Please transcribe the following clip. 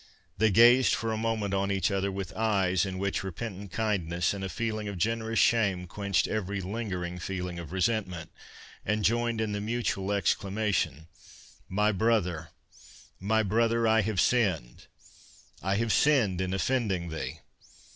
They gazed for a moment on each other with eyes in which repentant kindness and a feeling of generous shame quenched every lingering feeling of resentment, and joined in the mutual exclamation— "My brother—my brother, I have sinned, I have sinned in offending thee!"